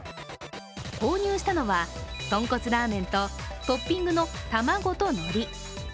購入したのは、とんこつラーメンとトッピングの玉子とのり。